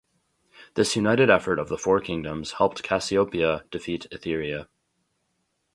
This united effort of the four kingdoms helped Cassiopea defeat Etheria.